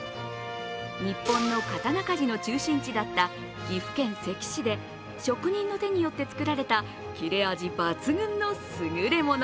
日本の刀鍛冶の中心地だった岐阜県関市で職人の手によって作られた切れ味抜群のすぐれもの。